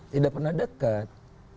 tidak pernah dekat